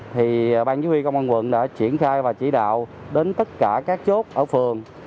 thì ban chỉ huy công an quận đã triển khai và chỉ đạo đến tất cả các chốt ở phường